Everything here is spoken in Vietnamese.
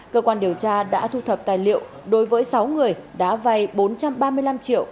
cơ quan điều tra đã thu thập tài liệu đối với sáu người đã vay bốn trăm ba mươi năm triệu